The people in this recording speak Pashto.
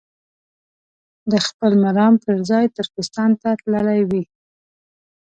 د خپل مرام پر ځای ترکستان ته تللي وي.